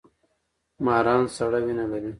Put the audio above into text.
ماران سړه وینه لري